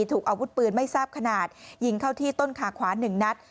ถูกอาวุธปืนไม่ทราบขนาดยิงเข้าที่ต้นขาขวา๑นัด